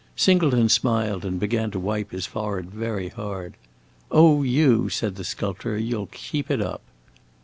Singleton smiled and began to wipe his forehead very hard. "Oh, you!" said the sculptor; "you 'll keep it up!"